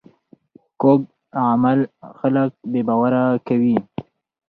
کوږ عمل خلک بې باوره کوي